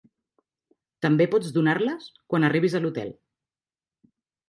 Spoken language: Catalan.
També pots donar-les quan arribis a l'hotel.